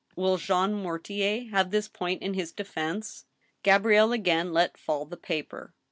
Will Jean Mortier use this point in his defense ?" Gabrielle again let fall the paper.